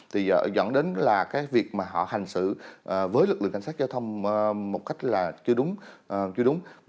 thì dẫn đến là cái việc mà họ hành xử với lực lượng cảnh sát giao thông một cách là chưa đúng chưa đúng